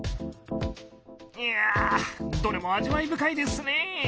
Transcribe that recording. いやどれも味わい深いですね。